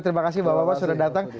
terima kasih bapak bapak sudah datang